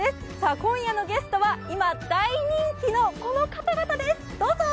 今夜のゲストは今、大人気のこの方々です！